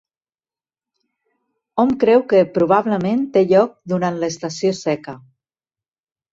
Hom creu que, probablement, té lloc durant l'estació seca.